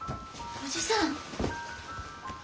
おじさん？